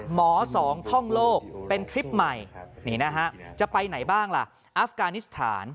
สองท่องโลกเป็นทริปใหม่นี่นะฮะจะไปไหนบ้างล่ะอัฟกานิสถาน